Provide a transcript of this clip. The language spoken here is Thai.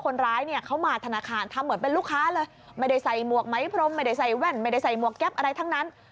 คนร้ายเนี่ยเขามาธนาคารทำเหมือนเป็นลูกค้าเลยไม่ได้ใส่หมวกไหมพรมไม่ได้ใส่แว่นไม่ได้ใส่หมวกแก๊ปอะไรทั้งนั้น